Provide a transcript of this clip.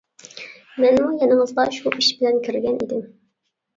-مەنمۇ يېنىڭىزغا شۇ ئىش بىلەن كىرگەن ئىدىم.